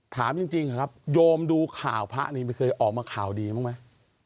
ถามจริงเหรอครับโยมดูข่าวพระนี่ไม่เคยออกมาข่าวดีบ้างไหม